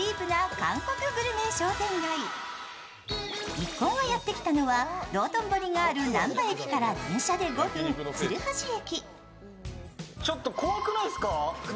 一行がやって来たのは道頓堀があるなんば駅から電車で５分、鶴橋駅。